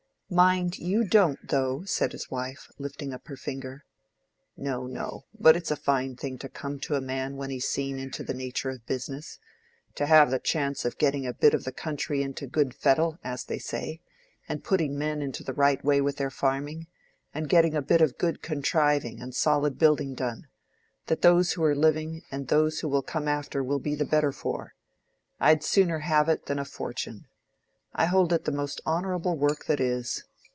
"Mind you don't, though," said his wife, lifting up her finger. "No, no; but it's a fine thing to come to a man when he's seen into the nature of business: to have the chance of getting a bit of the country into good fettle, as they say, and putting men into the right way with their farming, and getting a bit of good contriving and solid building done—that those who are living and those who come after will be the better for. I'd sooner have it than a fortune. I hold it the most honorable work that is."